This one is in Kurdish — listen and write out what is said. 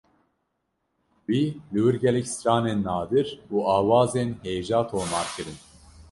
Wî li wir gelek stranên nadir û awazên hêja tomar kirin.